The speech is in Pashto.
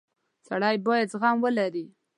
• سړی باید زغم ولري.